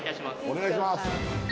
お願いします